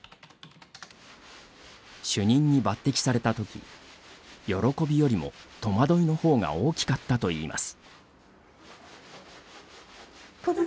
主任の抜てきされたとき喜びよりも戸惑いのほうが大きかったといいます。